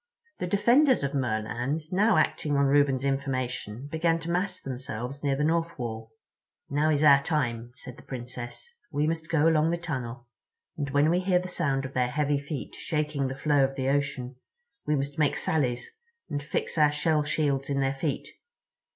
The defenders of Merland, now acting on Reuben's information, began to mass themselves near the North Wall. "Now is our time," said the Princess. "We must go along the tunnel, and when we hear the sound of their heavy feet shaking the flow of ocean we must make sallies, and fix our shell shields in their feet.